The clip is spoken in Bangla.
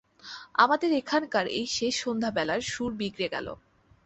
আমাদের এখানকার এই শেষ সন্ধেবেলার সুর বিগড়ে গেল।